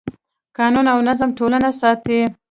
قانون او نظم ټولنه ساتي.